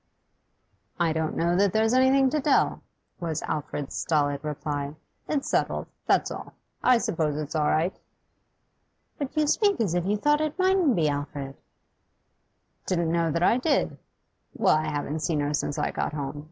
'I don't know that there's anything to tell,' was Alfred's stolid reply. 'It's settled, that's all. I suppose it's all right.' 'But you speak as if you thought it mightn't be, Alfred?' 'Didn't know that I did. Well, I haven't seen her since I got home.